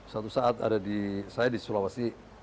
suatu saat ada di saya di sulawesi